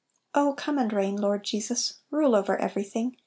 "Oh oome and reign, Lord Jesus Rule over every thing